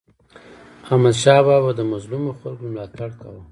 احمدشاه بابا به د مظلومو خلکو ملاتړ کاوه.